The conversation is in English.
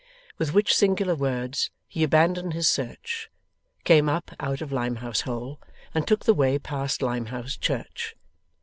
With which singular words he abandoned his search, came up out of Limehouse Hole, and took the way past Limehouse Church.